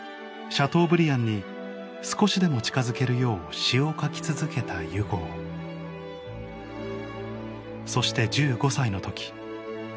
シャトーブリアンに少しでも近づけるよう詩を書き続けたユゴーそして１５歳の時